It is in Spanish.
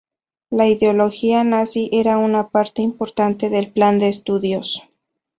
La ideología nazi era una parte importante del plan de estudios.